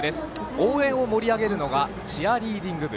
応援を盛り上げるのがチアリーディング部。